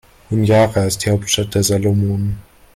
Honiara ist die Hauptstadt der Salomonen.